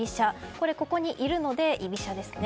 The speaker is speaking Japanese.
これは、ここにいるので居飛車ですね。